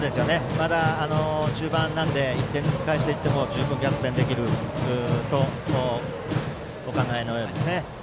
まだ中盤なので１点ずつ返していっても十分に逆転できるとお考えのようですね。